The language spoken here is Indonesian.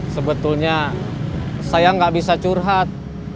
sebetulnya saya nggak bisa curhat